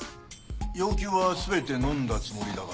要求はすべてのんだつもりだが。